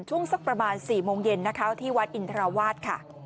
ช่วงสักประมาณ๔โมงเย็นนะคะที่วัดอินทราวาสค่ะ